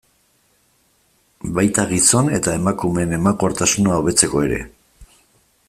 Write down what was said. Baita gizon eta emakumeen emankortasuna hobetzeko ere.